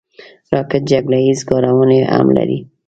راکټ جګړه ییز کارونې هم لري